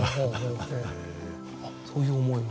そういう思いを。